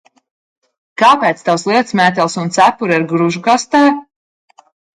Kāpēc tavs lietusmētelis un cepure ir gružkastē?